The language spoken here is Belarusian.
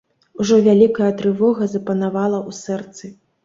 Ужо вялікая трывога запанавала ў сэрцы.